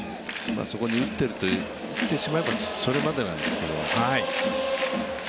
そこに打っていると言ってしまえばそれまでなんですけれども。